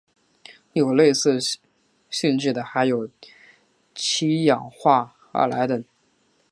有此类似性质的还有七氧化二铼等。